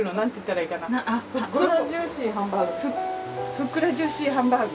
・ふっくらジューシーハンバーグ。